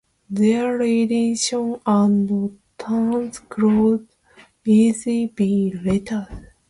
The redesignation and transfer could easily be related.